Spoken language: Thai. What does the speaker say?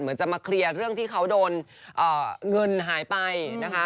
จะมาเคลียร์เรื่องที่เขาโดนเงินหายไปนะคะ